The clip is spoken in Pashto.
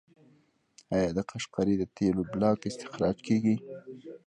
آیا د قشقري د تیلو بلاک استخراج کیږي؟